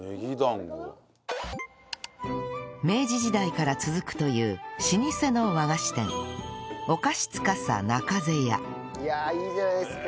明治時代から続くという老舗の和菓子店いやいいじゃないですか。